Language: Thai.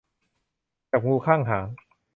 จับงูข้างหาง